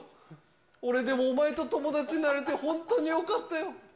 俺、でもお前と友達になれて、本当によかったよ。